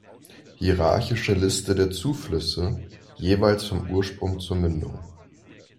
Hierarchische Liste der Zuflüsse, jeweils vom Ursprung zur Mündung.